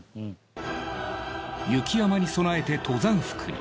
雪山に備えて登山服へ。